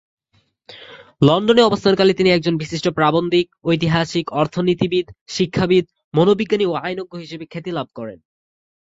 লন্ডনে অবস্থানকালে তিনি একজন বিশিষ্ট প্রাবন্ধিক, ঐতিহাসিক, অর্থনীতিবিদ, শিক্ষাবিদ, মনোবিজ্ঞানী ও আইনজ্ঞ হিসেবে খ্যাতি লাভ করেন।